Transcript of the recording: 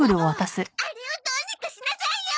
あれをどうにかしなさいよ！